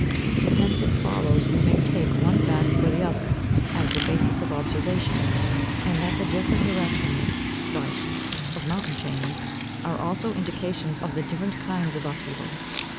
Hence it follows we may take one fact for the other, as the basis of observation, and that the different directions (strikes) of mountain chains, are also indications of the different kinds of upheaval.